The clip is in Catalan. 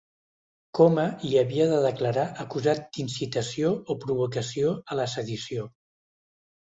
Coma hi havia de declarar acusat d’incitació o provocació a la sedició.